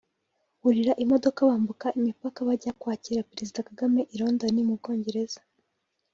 burira imodoka bambuka imipaka bajya kwakira Perezida Kagame i London mu Bwongereza